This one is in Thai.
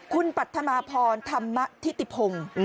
คุณปัธมาพรธรรมธิติพงศ์